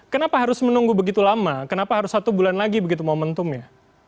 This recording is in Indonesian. kenapa harus menunggu begitu lama kenapa harus satu bulan lagi begitu momentumnya